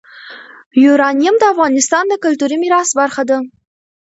یورانیم د افغانستان د کلتوري میراث برخه ده.